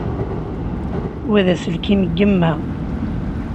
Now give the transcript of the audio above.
Wa d aselkim n yemma.